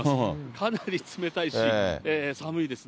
かなり冷たいし、寒いですね。